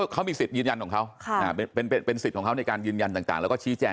ค่ะยังไงนะคะ